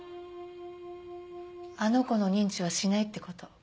あの子の認知はしないって事。